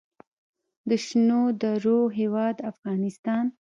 د شنو درو هیواد افغانستان.